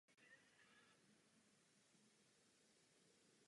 Docházka není povinná ani bezplatná.